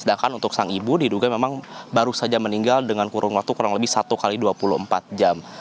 sedangkan untuk sang ibu diduga memang baru saja meninggal dengan kurun waktu kurang lebih satu x dua puluh empat jam